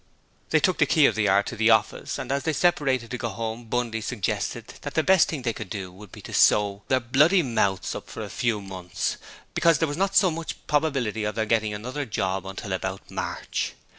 They took the key of the yard to the office and as they separated to go home Bundy suggested that the best thing they could do would be to sew their bloody mouths up for a few months, because there was not much probability of their getting another job until about March.